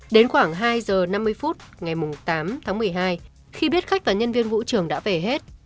đến khoảng hai giờ năm mươi phút ngày tám tháng một mươi hai khi biết khách và nhân viên vũ trường đã về hết